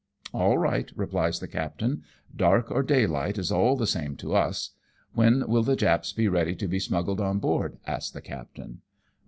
" All right," replies the captain ;" dark or daylight is all the same to us. When will the Japs be ready to be smuggled on board ?" asks the captain.